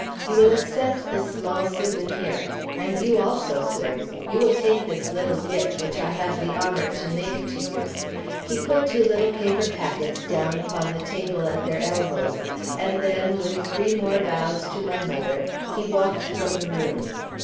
You will accept this small souvenir; and you also, sir, you will take this little gift, which I have the honour to make to you." He put two little paper packets down upon the table at their elbows, and then, with three more bows to my mother, he walked from the room.